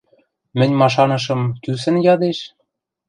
Мӹнь машанышым, кӱсӹн ядеш...